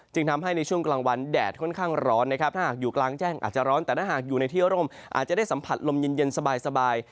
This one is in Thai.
ทำให้ในช่วงกลางวันแดดค่อนข้างร้อนนะครับถ้าหากอยู่กลางแจ้งอาจจะร้อนแต่ถ้าหากอยู่ในที่ร่มอาจจะได้สัมผัสลมเย็นสบาย